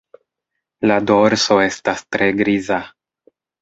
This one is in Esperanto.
La dorso estas tre griza.